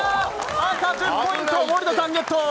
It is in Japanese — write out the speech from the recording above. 赤１０ポイント、森田さんゲット。